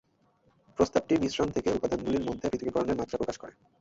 প্রস্তাবটি মিশ্রণ থেকে উপাদানগুলির মধ্যে পৃথকীকরণের মাত্রা প্রকাশ করে।